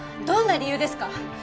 どんな理由ですか？